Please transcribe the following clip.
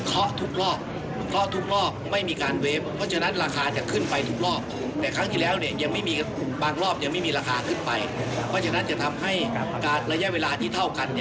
เพราะฉะนั้นจะทำให้การระยะเวลาที่เท่ากัน